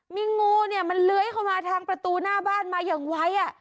มีงูเนี่ยมันเลื้อยเข้ามาทางประตูหน้าบ้านมาอย่างไว